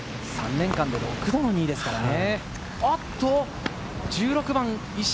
３年間で６度も２位ですからね。